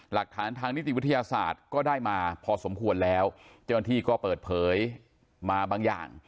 หลักฐานทางนิติวิทยาศาสตร์ก็ได้มาพอสมควรแล้วเจ้าหน้าที่ก็เปิดเผยมาบางอย่าง